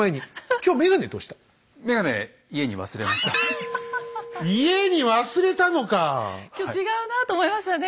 今日違うなあと思いましたよね